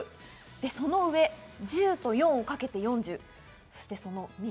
その上、１０と４をかけて４０。